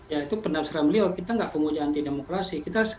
ya itu pendampsara beliau kita tidak pemuja antidemokrasi